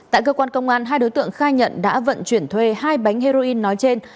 tại cơ quan công an hai đối tượng khai nhận đã vận chuyển thuê hai bánh heroin nói trên